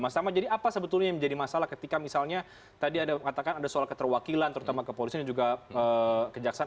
mas tama jadi apa sebetulnya yang menjadi masalah ketika misalnya tadi ada mengatakan ada soal keterwakilan terutama ke polisi dan juga ke jaksan